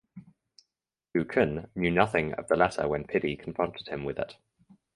Liu Kun knew nothing of the letter when Pidi confronted him with it.